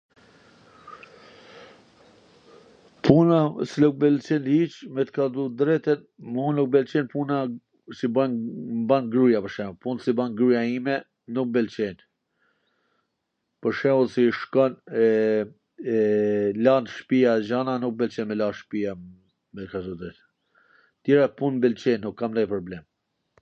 Puna s mw pwlqen hiC me t kallzu t drejtwn, un nuk pwlqej punwn qw ban gruja pwr shembull, pun qw ban gruja ime nuk m pelqen, pwr shwmbull si shkon e lan shpija gjana niuk m pwlqen me la shpija me thwn tw drejtwn. Tjera pun m pwlqejn, nuk kam nonj problem.